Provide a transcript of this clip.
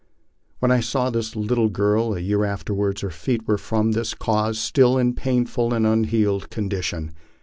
When I saw this lit tle girl a year afterward, her feet were from this cause still in a painful and unhealed condition.